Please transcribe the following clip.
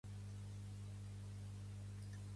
Avui per sopar menjarem samfaina amb ouets de guatlla